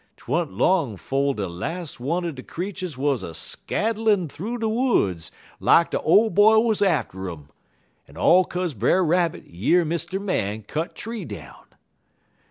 't wa'n't long 'fo' de las' one er de creeturs wuz a skaddlin' thoo de woods lak de Ole Boy was atter um en all 'kaze Brer Rabbit year Mr. Man cut tree down.